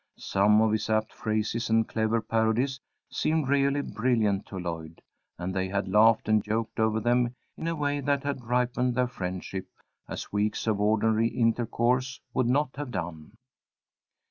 Some of his apt phrases and clever parodies seemed really brilliant to Lloyd, and they had laughed and joked over them in a way that had ripened their friendship as weeks of ordinary intercourse would not have done.